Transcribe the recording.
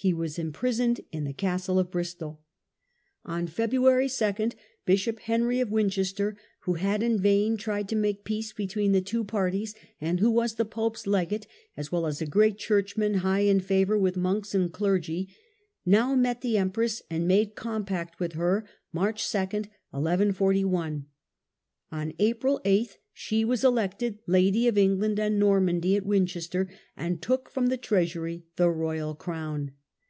He Stephen, was imprisoned in the Castle of Bristol. On February 2 BishopHenry of Winchester, who had in vain tried to make peace between the two parties, and who was the pope's legate as well as a great churchman high in favour with monks and clergy, now met the empress and made compact with her (March 2, 1141). On April 8 she was elected Lady of England and Normandy at Winchester, and took from the treasury the royal crown.